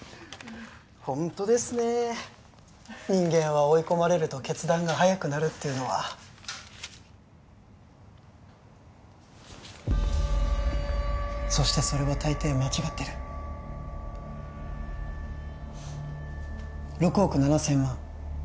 ホントですねえ人間は追い込まれると決断が早くなるっていうのはそしてそれはたいてい間違ってる６億７０００万